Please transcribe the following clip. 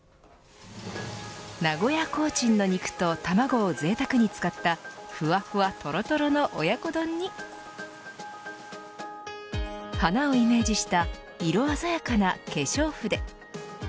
名古屋コーチンの肉と卵をぜいたくに使ったふわふわとろとろの親子丼に花をイメージした色鮮やかな化粧筆。